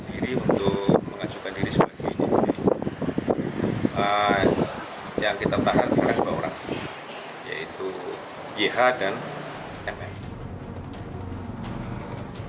kemarin dia sudah meyakinkan diri untuk mengacukan diri seperti ini sih yang kita tahan oleh sebuah orang yaitu gh dan mr